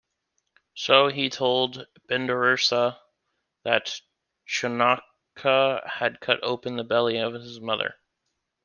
So, he told Bindusara that Chanakya had cut open the belly of his mother.